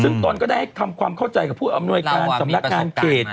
ซึ่งต้นก็ได้ให้ทำความเข้าใจกับผู้อำนวยการสำนักการณ์เกณฑ์เรากว่ามีประสบการณ์มาแล้ว